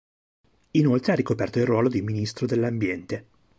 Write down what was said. Inoltre ha ricoperto il ruolo di Ministro dell'ambiente.